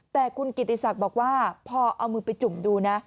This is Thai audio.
แต่คุณกิติศักดิ์บอกว่าพอเอามือไปจุ่มดูนะ